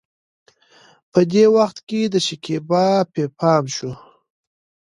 په دې وخت کې د شکيبا پې پام شو.